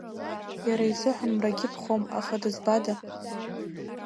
Иара изыҳәан мрагьы ԥхом, аха дызбада?